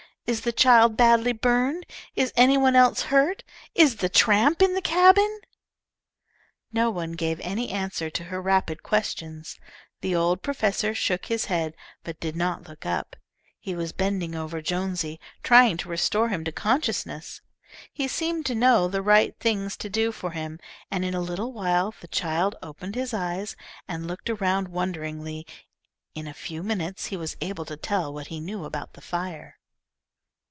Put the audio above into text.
"Is the child badly burned? Is any one else hurt? Is the tramp in the cabin?" No one gave any answer to her rapid questions. The old professor shook his head, but did not look up. He was bending over Jonesy, trying to restore him to consciousness. He seemed to know the right things to do for him, and in a little while the child opened his eyes and looked around wonderingly. In a few minutes he was able to tell what he knew about the fire.